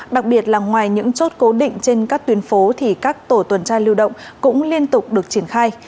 đặc biệt là ngoài những chốt cố định trên các tuyến phố thì các tổ tuần tra lưu động cũng liên tục được triển khai